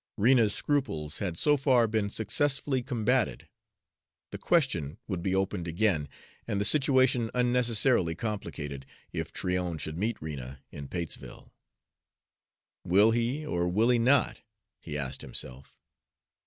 Rena's scruples had so far been successfully combated; the question would be opened again, and the situation unnecessarily complicated, if Tryon should meet Rena in Patesville. "Will he or will he not?" he asked himself.